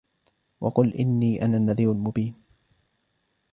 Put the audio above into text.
وقل إني أنا النذير المبين